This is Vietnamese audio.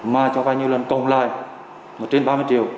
mà cho vay nhiều lần cộng lại trên ba mươi triệu